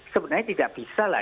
sebenarnya tidak bisa lah